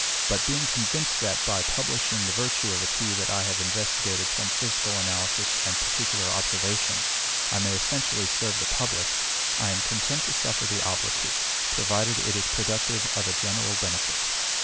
But being convinced, that, by publishing the virtue of a tea that I have investigated from physical analysis and particular observation, I may essentially serve the public, I am content to suffer the obloquy, provided it is productive of a general benefit.